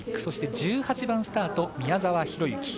そして１８番スタート、宮沢大志。